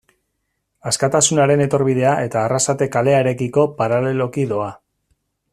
Askatasunaren etorbidea eta Arrasate kalearekiko paraleloki doa.